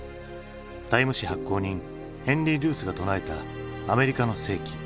タイム誌発行人ヘンリー・ルースが唱えた「アメリカの世紀」。